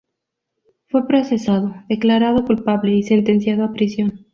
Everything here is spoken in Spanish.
Fue procesado, declarado culpable y sentenciado a prisión.